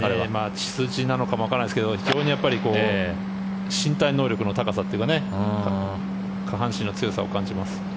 血筋もありますがわからないですけど非常に身体能力の高さというか下半身の強さを感じます。